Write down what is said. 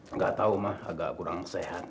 enggak tahu ma agak kurang sehat